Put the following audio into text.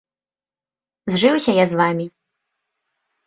Зжыўся я з вамі.